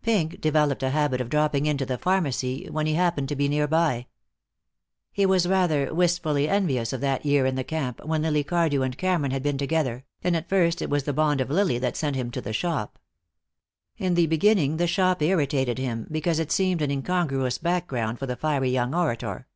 Pink developed a habit of dropping into the pharmacy when he happened to be nearby. He was rather wistfully envious of that year in the camp, when Lily Cardew and Cameron had been together, and at first it was the bond of Lily that sent him to the shop. In the beginning the shop irritated him, because it seemed an incongruous background for the fiery young orator.